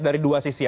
dari dua sisi ya